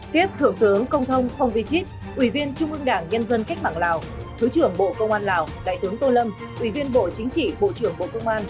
tiếp thượng tướng công thông phong vi chít ủy viên trung ương đảng nhân dân cách mạng lào thứ trưởng bộ công an lào đại tướng tô lâm ủy viên bộ chính trị bộ trưởng bộ công an